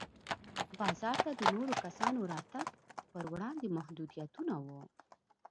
بازار ته د نورو کسانو راتګ پر وړاندې محدودیتونه وو.